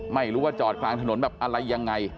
ไม่รู้ว่าจอดกลางถนนแบบอะไรยังไง